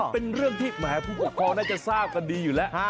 เป็นเรื่องที่แหมผู้ปกครองน่าจะทราบกันดีอยู่แล้ว